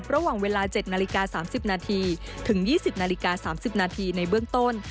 ระหว่างเวลา๗นาฬิกา๓๐นาทีถึง๒๐นาฬิกา๓๐นาทีในเบื้องต้น